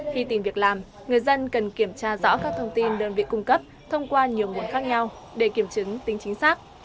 khi tìm việc làm người dân cần kiểm tra rõ các thông tin đơn vị cung cấp thông qua nhiều nguồn khác nhau để kiểm chứng tính chính xác